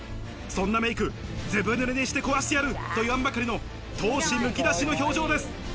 そんなメイク、ずぶ濡れにして壊してやると言わんばかりの闘志むき出しの表情です。